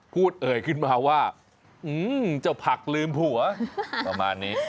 เอ่ยขึ้นมาว่าเจ้าผักลืมผัวประมาณนี้